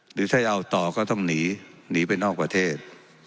หรือถ้าเอาต่อก็ต้องหนีหนีไปนอกประเทศ